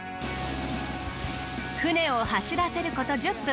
船を走らせること１０分。